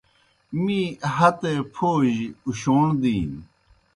می ہتے پھو جیْ اُشوݨ دِینیْ۔